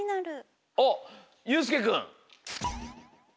あっゆうすけくん。